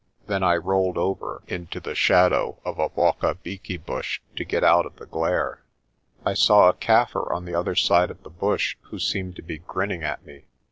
Then I rolled over into the shadow of a wacht enbeetje bush to get out of the glare. I saw a Kaffir on the other side of the bush who seemed to be grinning at me.